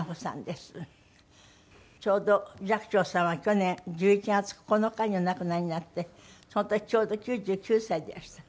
ちょうど寂聴さんは去年１１月９日にお亡くなりになってその時ちょうど９９歳でいらした。